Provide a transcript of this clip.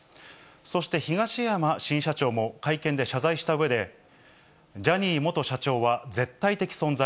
そして東山新社長も会見で謝罪したうえで、ジャニー元社長は絶対的存在。